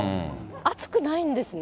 暑くないんですね。